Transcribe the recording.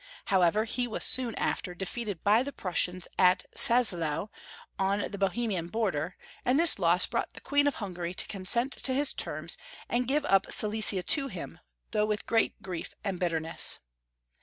However, he was soon after Karl VII. 897 defeated by the Prussians at Czaalau, on the Bo. bemian boi der, and this loss brought tbe Queen of Hungai y to consent to }iis terms, and give up Si lesia to Mm, though with great grief and bitterness.